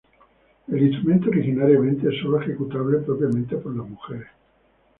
El instrumento originariamente es sólo ejecutable propiamente por las mujeres.